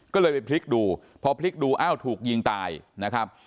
ก็เลยไปพลิกดูพอพลิกดูอ้าวถูกยิงตายนะครับ